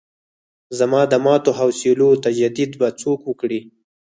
زما د ماتو حوصلو تجدید به څوک وکړي.